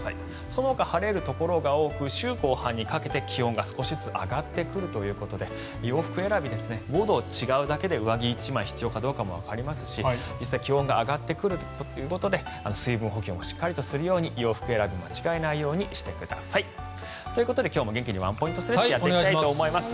そのほか晴れるところが多く週後半にかけて気温が少しずつ上がってくるということで洋服選び５度違うだけで上着１枚必要かどうかもわかりますし気温が上がってくるということで水分補給をよくするように洋服選び間違えないようにしてください。ということで今日も元気にワンポイントストレッチをやっていきたいと思います。